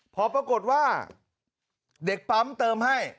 พอปรากฏว่าเด็กปั๊มเติมให้